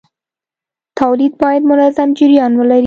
تولید باید منظم جریان ولري.